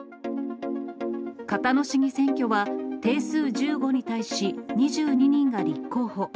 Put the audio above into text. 交野市議選挙は定数１５に対し２２人が立候補。